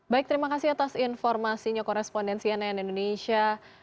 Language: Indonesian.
baik terima kasih atas informasinya korespondensi nn indonesia